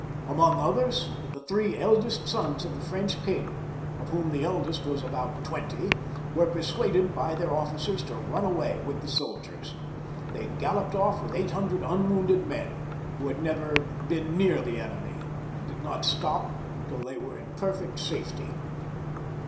Among others the three eldest sons of the French king, of whom the eldest was about twenty, were persuaded by their officers to run away with the soldiers. They galloped off with eight hundred unwounded men, who had never been near the enemy, and did not stop till they were in perfect safety.